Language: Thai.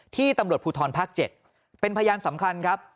ตำรวจภูทรภาค๗เป็นพยานสำคัญครับ